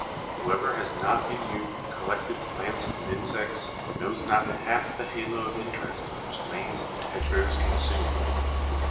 Whoever has not in youth collected plants and insects, knows not half the halo of interest which lanes and hedgerows can assume."